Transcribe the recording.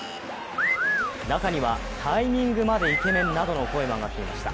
中にはタイミングまでイケメンなどの声も上がっていました。